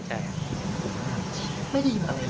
ใช่